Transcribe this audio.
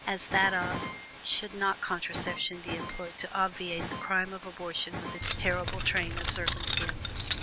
as that of "Should not contraception be employed to obviate the crime of abortion with its terrible train of consequences?"